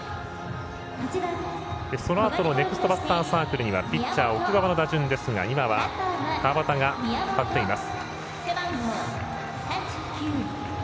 そのあとのネクストバッターズサークルにはピッチャー、奥川の打順ですが今は、川端が立っています。